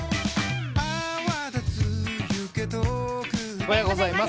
おはようございます。